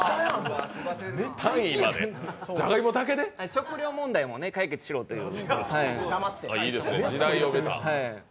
食糧問題もね、解決しようという。